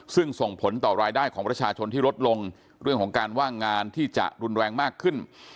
ซึ่งส่งผลต่อรายได้ของประชาชนที่ลดลงเรื่องของการว่างงานที่จะรุนแรงมากขึ้น